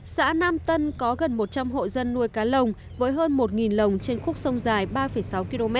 xã nam tân có gần một trăm linh hộ dân nuôi cá lồng với hơn một lồng trên khúc sông dài ba sáu km